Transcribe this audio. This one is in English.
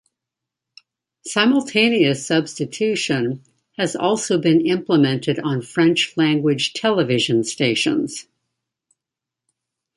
Simultaneous substitution has also been implemented on French language television stations.